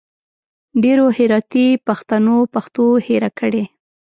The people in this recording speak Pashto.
ډېرو هراتي پښتنو پښتو هېره کړي